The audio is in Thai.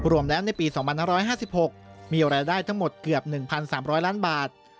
รวมแล้วในปี๒๕๕๖มีรายได้ทั้งหมดเกือบ๑๓๐๐ล้านบาท